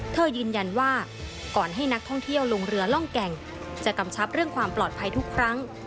ยืนยันว่าก่อนให้นักท่องเที่ยวลงเรือร่องแก่งจะกำชับเรื่องความปลอดภัยทุกครั้ง